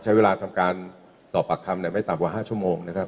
ใช้เวลาทำการสอบปากคำไม่ต่ำกว่า๕ชั่วโมงนะครับ